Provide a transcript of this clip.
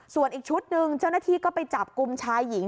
ส่วนอีกชุดหนึ่งเจ้าหน้าที่ก็ไปจับกลุ่มชายหญิง